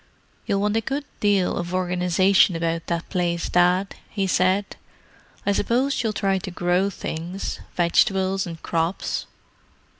"You'll want a good deal of organization about that place, Dad," he said. "I suppose you'll try to grow things—vegetables and crops?"